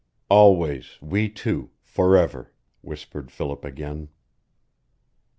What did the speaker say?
"Always we two forever," whispered Philip again.